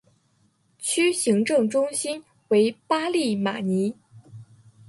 区行政中心为巴利马尼。